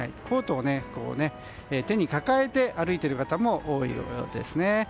コートを手に抱えて歩いている方も多いようですね。